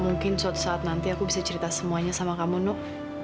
mungkin suatu saat nanti aku bisa cerita semuanya sama kamu nuk